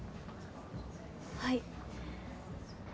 はい。